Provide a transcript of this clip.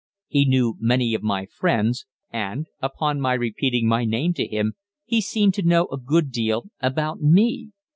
He knew many of my friends, and, upon my repeating my name to him, he seemed to know a good deal about me.